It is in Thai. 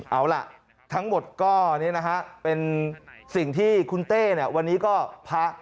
เอาล่ะทั้งหมดก็นี่นะฮะเป็นสิ่งที่คุณเต้เนี่ยวันนี้ก็พระ